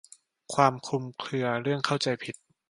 ความคลุมเครือเรื่องเข้าใจผิด